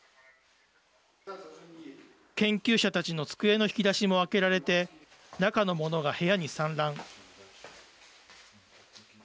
研究者たちの机の引き出しも開けられて中の物が部屋に散乱。